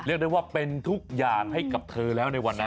เรียกได้ว่าเป็นทุกอย่างให้กับเธอแล้วในวันนั้น